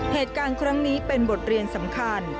เหตุการณ์ครั้งนี้เป็นบทเรียนสำคัญ